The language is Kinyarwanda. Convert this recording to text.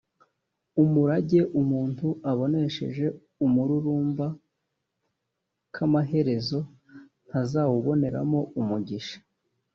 umurage umuntu abonesheje umururumba k amaherezo ntazawuboneramo umugisha